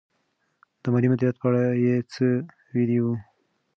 د مالي مدیریت په اړه یې څه ویلي وو؟